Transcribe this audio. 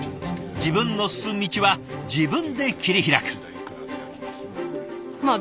自分の進む道は自分で切り開く。